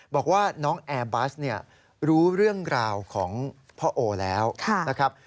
บอกว่าน้องแอร์บัสเนี่ยรู้เรื่องราวของพ่อโอแล้วนะครับ